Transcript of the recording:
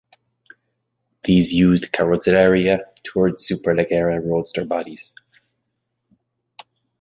These used Carrozzeria Touring Superleggera roadster bodies.